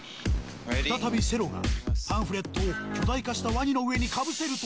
「再びセロがパンフレットを巨大化したワニの上にかぶせると」